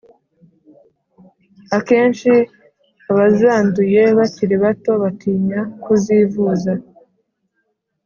Akenshi abazanduye bakiri bato batinya kuzivuza